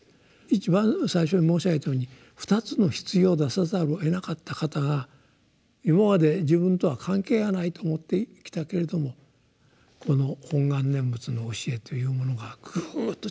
一番最初に申し上げたように２つの棺を出さざるをえなかった方が「今まで自分とは関係がないと思ってきたけれどもこの本願念仏の教えというものがグーッと近くなってきた」と言うんですね。